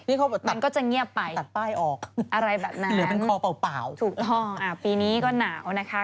มันก็จะเงียบไปอะไรแบบนั้นถูกต้องอ่าปีนี้ก็หนาวนะคะ